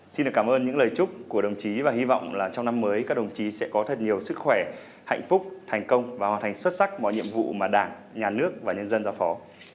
xin được cảm ơn những lời chúc của đồng chí và hy vọng là trong năm mới các đồng chí sẽ có thật nhiều sức khỏe hạnh phúc thành công và hoàn thành xuất sắc mọi nhiệm vụ mà đảng nhà nước và nhân dân giao phó